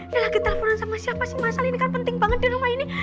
ini lagi teleponan sama siapa sih masalah ini kan penting banget di rumah ini